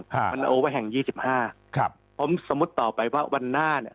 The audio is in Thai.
วันโอเวอร์แห่งยี่สิบห้าครับผมสมมุติต่อไปว่าวันหน้าเนี้ย